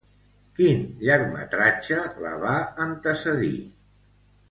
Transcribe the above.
Quin llargmetratge la va antecedir?